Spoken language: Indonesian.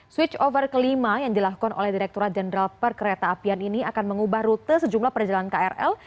switch over kelima yang dilakukan oleh direkturat jenderal perkereta apian ini akan mengubah rute sejumlah perjalanan krl